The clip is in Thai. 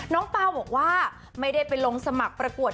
เปล่าบอกว่าไม่ได้ไปลงสมัครประกวด